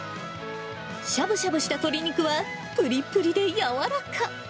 しゃぶしゃぶした鶏肉は、ぷりぷりで柔らか。